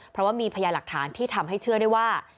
เพราะว่ามีพยาหลักฐานที่ทำให้เชื่อได้ว่า